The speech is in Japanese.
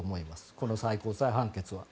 この最高裁判決は。